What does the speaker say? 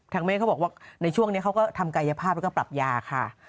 เมฆเขาบอกว่าในช่วงนี้เขาก็ทำกายภาพแล้วก็ปรับยาค่ะ